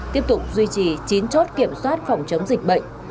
tiếp tục duy trì chín chốt kiểm soát phòng chống dịch bệnh